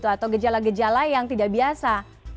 atau gejala gejala yang tidak biasa